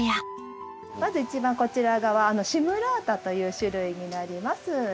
まず一番こちら側シムラータという種類になります。